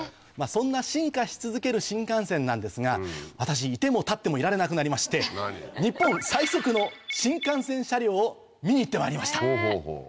そんな進化し続ける新幹線なんですが私居ても立ってもいられなくなりまして日本最速の新幹線車両を見に行ってまいりました。